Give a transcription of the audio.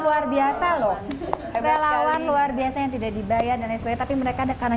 luar biasa loh relawan luar biasa yang tidak dibayar dan lain sebagainya tapi mereka karena